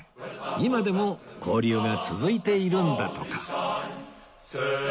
今でも交流が続いているんだとか